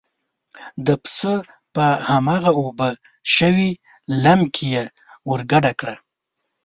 د پسه په هماغه اوبه شوي لم کې یې ور ګډه کړه.